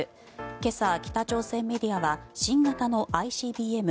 今朝、北朝鮮メディアは新型のＩＣＢＭ